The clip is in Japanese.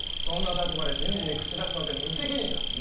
そんな立場で人事に口出すなんて無責任だ！